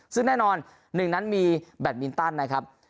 ซึ่งแน่นอนหนึ่งนั้นมีแบตมินตันนะครับ